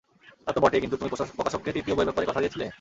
তাতো বটেই কিন্তু তুমি প্রকাশককে তৃতীয় বইয়ের ব্যাপারে কথা দিয়েছিলে?